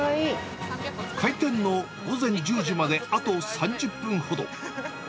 開店の午前１０時まであと３０分ほど。